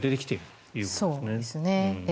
そうですね。